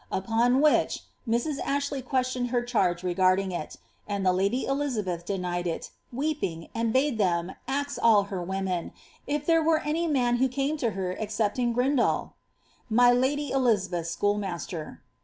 Upon which, Mrs. Ashley questioned her arding it, and the lady Elizabeth denied it, weeping, and bade ill her women, if there were any man who came to her ex rindall?' my lady Elizabeth's schoolmaster.